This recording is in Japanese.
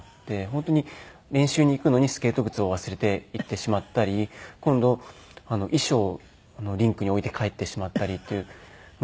本当に練習に行くのにスケート靴を忘れて行ってしまったり今度衣装をリンクに置いて帰ってしまったりっていうのが多いので。